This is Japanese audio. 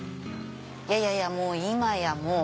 いやいやいやもう今やもう！